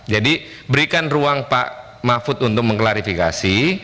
jadi berikan ruang pak mahfud untuk mengklarifikasi